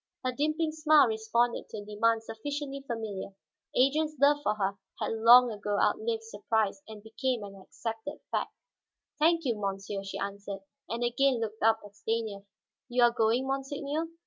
Her dimpling smile responded to a demand sufficiently familiar. Adrian's love for her had long ago outlived surprise and become an accepted fact. "Thank you, monsieur," she answered, and again looked up at Stanief. "You are going, monseigneur?